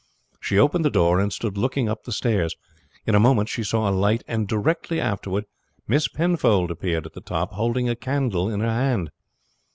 She opened the door and stood looking up the stairs. In a moment she saw a light, and directly afterward Miss Penfold appeared at the top holding a candle in her hand.